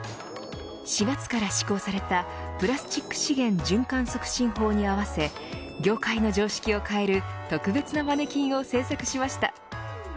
４月から施行されたプラスチック資源循環法促進法に合わせ業界の常識を変える特別なマネキンを制作しました。